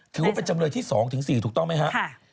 ถูกว่าเป็นจำเลยที่๒ถึง๔ถูกต้องไหมฮะ